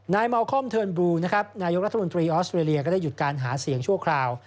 เมาคอมเทิร์นบลูนะครับนายกรัฐมนตรีออสเตรเลียก็ได้หยุดการหาเสียงชั่วคราว